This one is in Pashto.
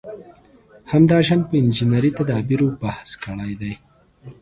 همداشان په انجنیري تدابېرو بحث کړی دی.